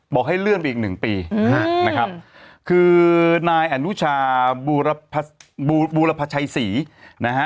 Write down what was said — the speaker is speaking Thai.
บอกให้เลื่อนไปอีกหนึ่งปีนะครับคือนายอนุชาบูรพชัยศรีนะฮะ